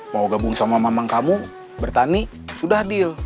mau gabung sama mamang kamu bertani sudah deal